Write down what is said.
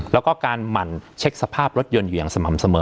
แล้วก็การหมั่นเช็คสภาพรถยนต์อยู่อย่างสม่ำเสมอ